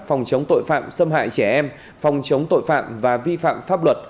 phòng chống tội phạm xâm hại trẻ em phòng chống tội phạm và vi phạm pháp luật